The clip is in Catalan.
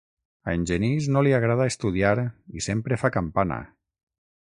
A en Genís no li agrada estudiar i sempre fa campana: